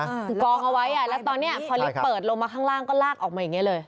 คือกองเอาไว้อ่ะแล้วตอนเนี้ยพอลิฟต์เปิดลงมาข้างล่างก็ลากออกมาอย่างเงี้เลย